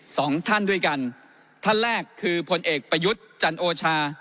สองท่านด้วยกันท่านแรกคือผลเอกประยุทธ์จันโอชา